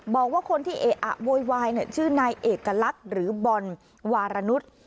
บอกว่าคนที่เอะอะโวยวายชื่อนายเอกลักษณ์หรือบอลวารนุษย์